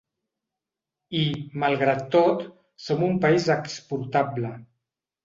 I, malgrat tot, som un país exportable.